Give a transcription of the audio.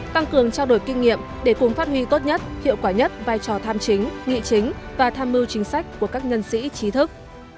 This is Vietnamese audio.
tăng cường trao đổi kinh nghiệm để cùng phát huy tốt nhất hiệu quả nhất vai trò tham chính nghị chính và tham mưu chính sách của các nhân sĩ trí thức